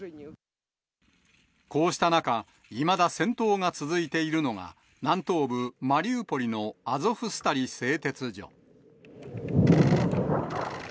こうした中、いまだ戦闘が続いているのが、南東部マリウポリのアゾフスタリ製鉄所。